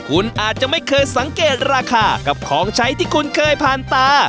คุณอาจจะไม่เคยสังเกตราคากับของใช้ที่คุณเคยผ่านตา